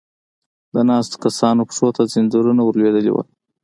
د ناستو کسانو پښو ته ځنځيرونه ور لوېدلې و.